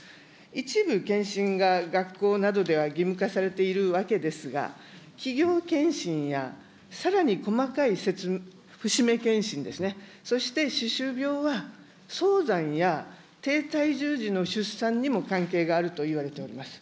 一部健診が学校などでは義務化されているわけですが、企業健診やさらに細かい節目健診ですね、そして歯周病は、早産や低体重児の出産にも関係があるといわれております。